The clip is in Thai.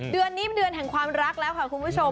เดือนนี้เป็นเดือนแห่งความรักแล้วค่ะคุณผู้ชม